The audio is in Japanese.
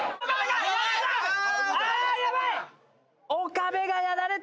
岡部がやられた！